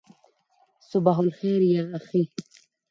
صباح الخیر یا اخی.